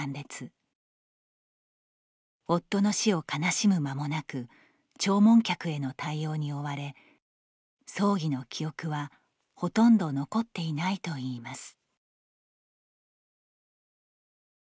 夫の死を悲しむ間もなく弔問客への対応に追われ葬儀の記憶はほとんど残っていないといいます。